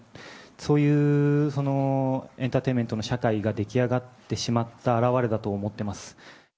そういうエンターテインメントの社会が出来上がってしまった表れだと思ってます。